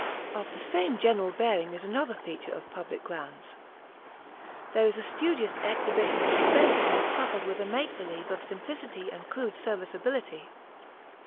Of the same general bearing is another feature of public grounds. There is a studious exhibition of expensiveness coupled with a make believe of simplicity and crude serviceability.